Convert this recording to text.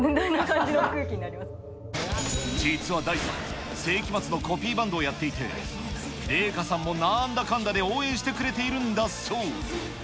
実は大さん、聖飢魔ＩＩのコピーバンドをやっていて、麗華さんもなんだかんだで応援してくれてるんだそう。